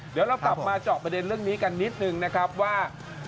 เดี๋ยวเรากลับมาเจาะประเด็นเรื่องนี้กันนิดนึงนะครับว่า